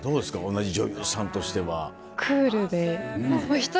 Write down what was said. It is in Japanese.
同じ女優さんとしては。